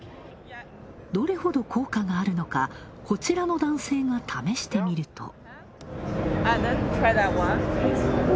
どれほど効果があるのか、こちらの男性が試してみると。